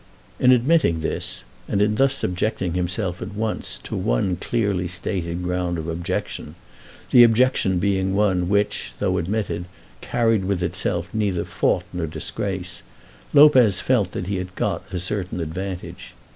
In admitting this, and in thus subjecting himself at once to one clearly stated ground of objection, the objection being one which, though admitted, carried with itself neither fault nor disgrace, Lopez felt that he had got a certain advantage.